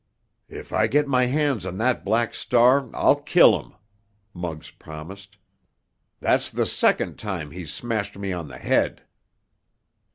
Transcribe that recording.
"If I get my hands on that Black Star I'll kill him!" Muggs promised. "That's the second time he's smashed me on the head!"